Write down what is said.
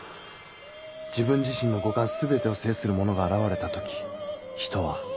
自分自身の五感全てを制する者が現れた時人は